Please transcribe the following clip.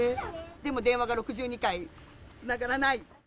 でも電話が６２回つながらない。